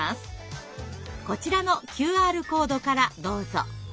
こちらのＱＲコードからどうぞ。